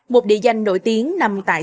một địa danh nổi tiếng nằm tại